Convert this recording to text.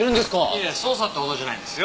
いやいや捜査ってほどじゃないですよ。